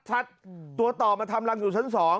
ตัวต่อมาทำรังอยู่ชั้น๒